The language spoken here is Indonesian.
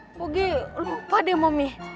aduh aku lupa deh mami